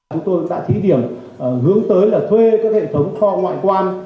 chúng tôi đã thí điểm hướng tới là thuê các hệ thống kho ngoại quan